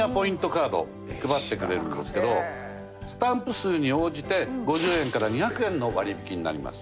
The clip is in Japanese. カード配ってくれるんですけどスタンプ数に応じて５０円から２００円の割引になります。